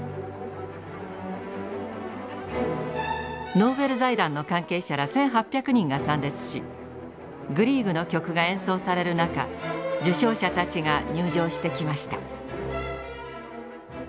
ノーベル財団の関係者ら１，８００人が参列しグリーグの曲が演奏される中受賞者たちが入場してきました。